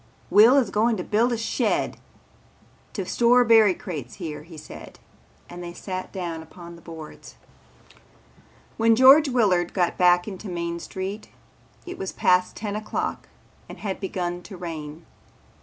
"Will is going to build a shed to store berry crates here," said George and they sat down upon the boards. When George Willard got back into Main Street it was past ten o'clock and had begun to rain.